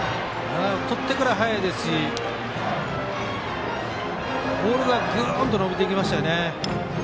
とってから早いですしボールがグーンと伸びていきましたよね。